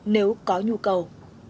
nếu có nhu cầu